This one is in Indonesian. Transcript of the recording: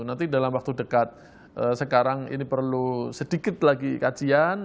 nanti dalam waktu dekat sekarang ini perlu sedikit lagi kajian